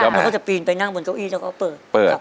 มันก็จะปีนไปนั่งบนเก้าอี้แล้วก็เปิดครับ